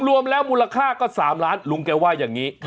รวมแล้วมูลค่าก็๓ล้านลุงแกว่าอย่างนี้